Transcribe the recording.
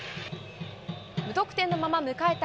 無得点のまま迎えた